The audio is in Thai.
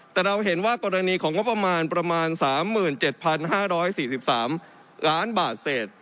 แต่เราเห็นว่ากรณีของงบประมาณประมาณ๓๗๕๔๓ล้านบาทเศษ